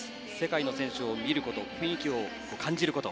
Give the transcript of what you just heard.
世界の選手を見ること雰囲気を感じること。